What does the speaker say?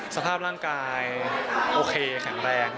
สภาพร่างกายโอเคแข็งแรง